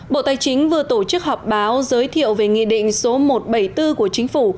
bộ tài chính vừa tổ chức họp báo giới thiệu về nghị định số một trăm bảy mươi bốn của chính phủ